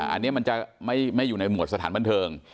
อันนี้มันจะไม่อยู่ในหมวดสถานบันเทิง